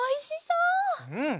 うん！